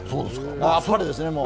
あっぱれですね。